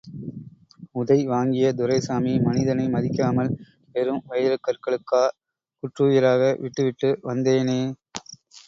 உதை வாங்கிய துரைசாமி, மனிதனை மதிக்காமல், வெறும் வைரக் கற்களுக்கா குற்றுயிராக விட்டுவிட்டு வந்தேனே!